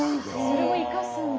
それを生かすんだ。